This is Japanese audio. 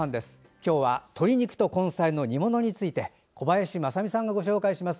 今日は鶏肉と根菜の煮物について小林まさみさんがご紹介します。